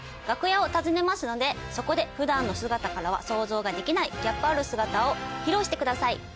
楽屋を訪ねますのでそこで普段の姿からは想像ができないギャップある姿を披露してください。